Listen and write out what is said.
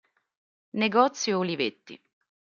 Negozio Olivetti